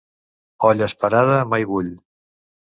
Olla esperada mai bull.